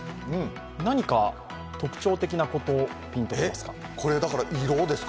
何か特徴的なこと、分かりますか？